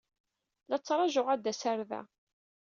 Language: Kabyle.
La tt-ttṛajuɣ ad d-tas ɣer da.